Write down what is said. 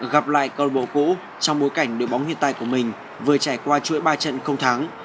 gặp lại con bộ cũ trong bối cảnh đội bóng hiện tại của mình vừa trải qua chuỗi ba trận không thắng